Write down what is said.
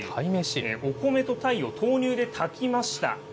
お米とタイを豆乳で炊きました。